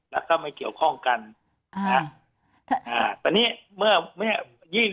แล้วก็มาเกี่ยวข้องกันอ่าอ่าแต่นี่เมื่อเนี้ย